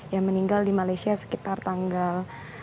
yang meninggal di malaysia sekitar tanggal delapan belas